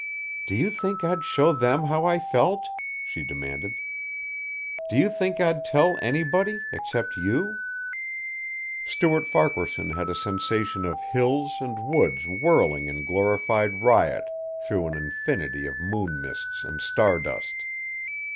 "Do you think I'd show them how I felt?" she demanded. "Do you think I'd tell anybody except you." Stuart Farquaharson had a sensation of hills and woods whirling in glorified riot through an infinity of moon mists and star dust.